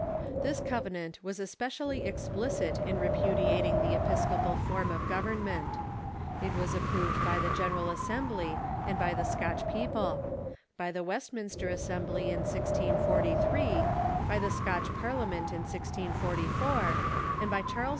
This covenant was especially explicit in repudiating the episcopal form of government. It was ap proved by the General Assembly and by the Scotch people ; by the Westminster Assembly in 1643 ; by the Scotch Parliament in 1644 ; and by Charles II.